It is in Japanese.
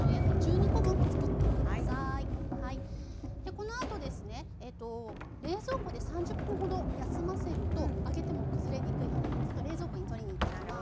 このあとですねえと冷蔵庫で３０分ほど休ませると揚げてもくずれにくいのでちょっと冷蔵庫に取りに行ってきます。